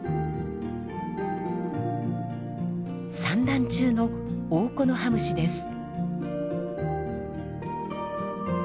産卵中のオオコノハムシです。